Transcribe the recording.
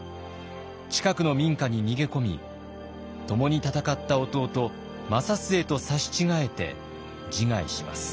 近くの民家に逃げ込み共に戦った弟正季と刺し違えて自害します。